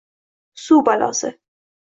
Suv balosi